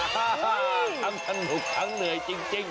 ทั้งสนุกทั้งเหนื่อยจริง